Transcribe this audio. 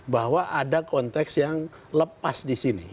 bahwa ada konteks yang lepas disini